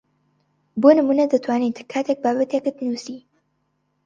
بۆ نموونە دەتوانیت کاتێک بابەتێکت نووسی